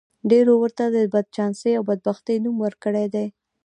ډېرو ورته د بدچانسۍ او بدبختۍ نوم ورکړی دی